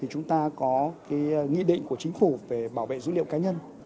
chúng ta có nghị định của chính phủ về bảo vệ dữ liệu cá nhân